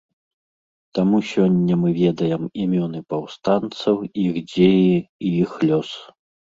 Таму сёння мы ведаем імёны паўстанцаў, іх дзеі, і іх лёс.